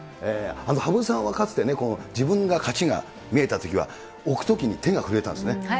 羽生さんはかつてね、自分が、勝ちが見えたときは、置くときに手が震えたんですね。